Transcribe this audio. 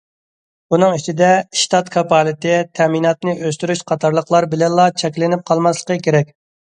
بۇنىڭ ئىچىدە، ئىشتات كاپالىتى، تەمىناتنى ئۆستۈرۈش قاتارلىقلار بىلەنلا چەكلىنىپ قالماسلىقى كېرەك.